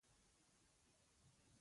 هغه وخت انسان کوم ځانګړی موجود نه و.